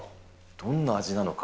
どんな味なのか。